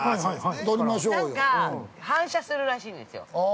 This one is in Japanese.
なんか、反射するらしいんですよ。